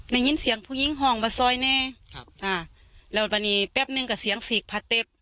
ในนี้เสียงผู้หญิงห่องมาซอยแน่ครับครับอ่าแล้วอันนี้แป๊บหนึ่งกับเสียงศีรภเต็ป